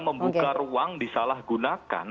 membuka ruang disalahgunakan